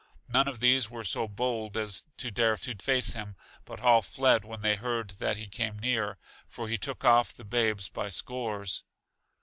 None of these were so bold as to dare to face him, but all fled when they heard that he came near, for he took off the babes by scores.